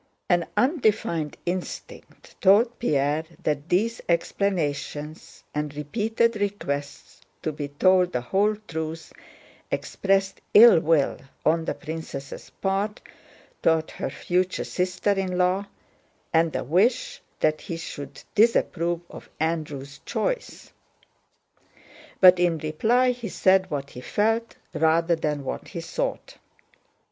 An undefined instinct told Pierre that these explanations, and repeated requests to be told the whole truth, expressed ill will on the princess' part toward her future sister in law and a wish that he should disapprove of Andrew's choice; but in reply he said what he felt rather than what he thought.